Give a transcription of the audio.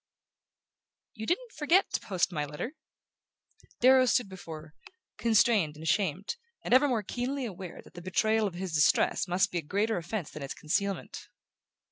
"You didn't forget to post my letter?" Darrow stood before her, constrained and ashamed, and ever more keenly aware that the betrayal of his distress must be a greater offense than its concealment.